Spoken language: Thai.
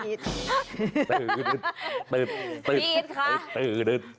ขอท่าพี่อีท